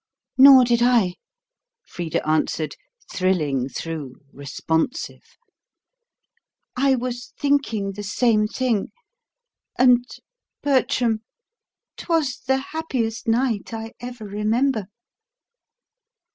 "Nor did I," Frida answered, thrilling through, responsive. "I was thinking the same thing.... And, Bertram, 'twas the happiest night I ever remember."